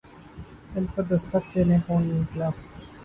دل پر دستک دینے کون آ نکلا ہے